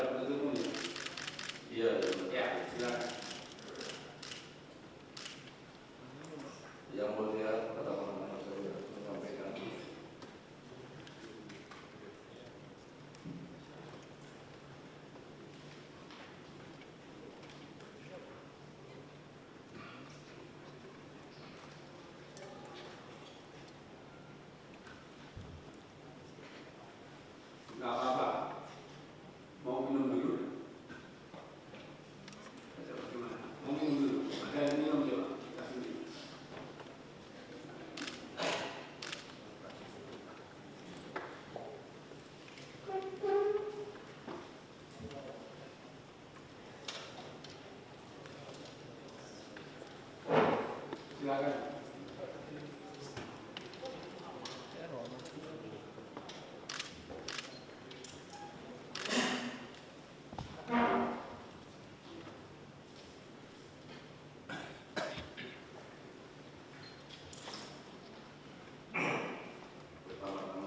itu terkait juga termasuk tahanan tahanan yang diberikan kepada penutup ini